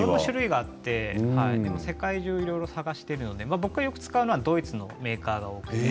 世界中いろいろ探しているので僕がよく使っているのはドイツのメーカーです。